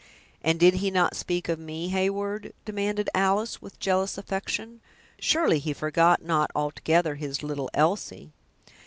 '" "And did he not speak of me, Heyward?" demanded Alice, with jealous affection; "surely, he forgot not altogether his little Elsie?"